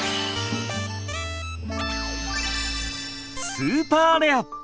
スーパーレア！